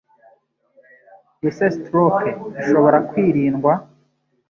Ese Stroke ishobora kwirindwa?